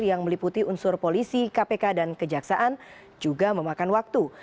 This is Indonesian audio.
yang meliputi unsur polisi kpk dan kejaksaan juga memakan waktu